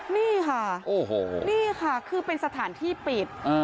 นี่ค่ะโอ้โหนี่ค่ะคือเป็นสถานที่ปิด